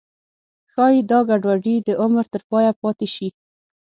ښایي دا ګډوډي د عمر تر پایه پاتې شي.